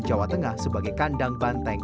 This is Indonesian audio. jawa tengah sebagai kandang banteng